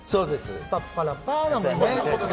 パッパラパーだもんね。